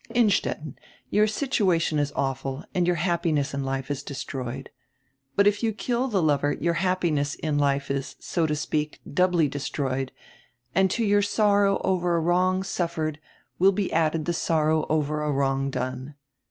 "Innstetten, your situation is awful and your happiness in life is destroyed. But if you kill the lover your happi ness in life is, so to speak, doubly destroyed, and to your sorrow over a wrong suffered will be added the sorrow over a wrong done.